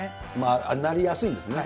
なりやすいんですね。